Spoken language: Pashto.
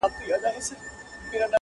د مرور برخه د کونه ور ده.